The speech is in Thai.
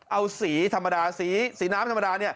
เอาสีธรรมดาสีน้ำธรรมดา